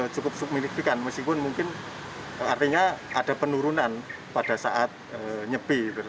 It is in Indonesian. cukup signifikan meskipun mungkin artinya ada penurunan pada saat nyepi